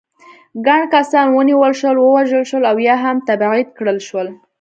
ګڼ کسان ونیول شول، ووژل شول او یا هم تبعید کړل شول.